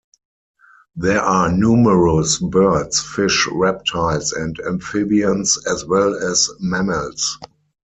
There are numerous birds, fish, reptiles and amphibians as well as mammals.